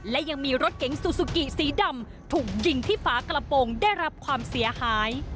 และยังมีรถเก๋งซูซูกิสีดำถูกยิงที่ฝากระโปรงได้รับความเสียหาย